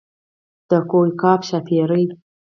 د کوه قاف ښاپېرۍ.